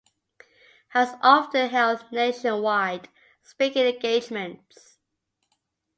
Hyles often held nationwide speaking engagements.